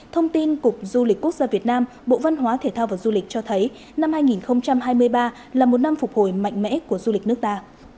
thông tin cục du lịch quốc gia việt nam bộ văn hóa thể thao và du lịch cho thấy năm hai nghìn hai mươi ba là một năm phục hồi mạnh mẽ của du lịch nước ta